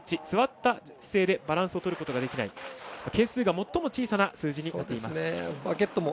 座った姿勢でバランスをとることができない係数が最も小さな数字になっています。